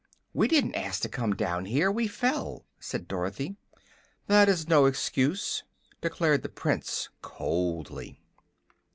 "We didn't ask to come down here; we fell," said Dorothy. "That is no excuse," declared the Prince, coldly.